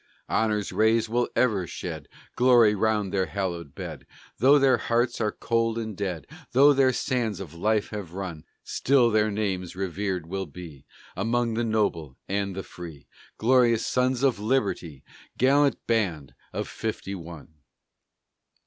Honor's rays will ever shed Glory 'round their hallowed bed. Though their hearts are cold and dead, Though their sands of life have run, Still their names revered will be, Among the noble and the free Glorious sons of Liberty; Gallant band of Fifty one!